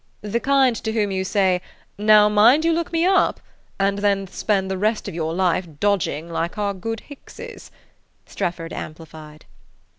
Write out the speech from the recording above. "The kind to whom you say, 'Now mind you look me up'; and then spend the rest of your life dodging like our good Hickses," Strefford amplified.